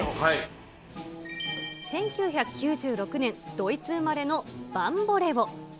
１９９６年ドイツ生まれのバンボレオ。